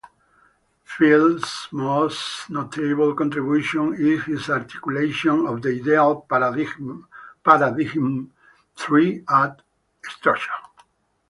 Field's most notable contribution is his articulation of the ideal paradigm "three-act structure".